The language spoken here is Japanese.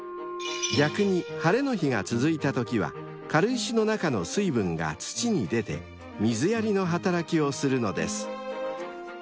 ［逆に晴れの日が続いたときは軽石の中の水分が土に出て水やりの働きをするのです］